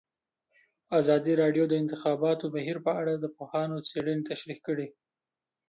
ازادي راډیو د د انتخاباتو بهیر په اړه د پوهانو څېړنې تشریح کړې.